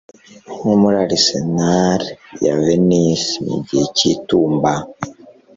Nko muri arsenal ya Venise mugihe cy'itumba